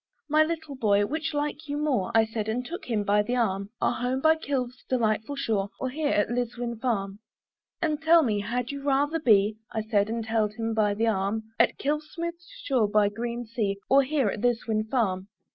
"My little boy, which like you more," I said and took him by the arm "Our home by Kilve's delightful shore, "Or here at Liswyn farm?" "And tell me, had you rather be," I said and held him by the arm, "At Kilve's smooth shore by the green sea, "Or here at Liswyn farm?"